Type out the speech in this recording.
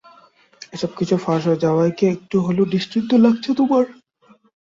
এসবকিছু ফাঁস হয়ে যাওয়ায় কি একটু হলেও নিশ্চিন্ত লাগছে তোমার?